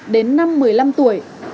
đến năm một mươi năm tuổi